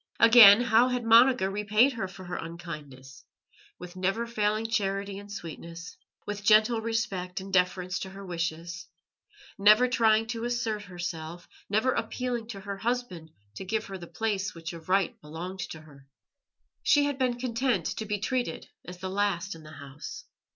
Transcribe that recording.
Again, how had Monica repaid her for her unkindness? With never failing charity and sweetness, with gentle respect and deference to her wishes, never trying to assert herself, never appealing to her husband to give her the place which of right belonged to her. She had been content to be treated as the last in the house.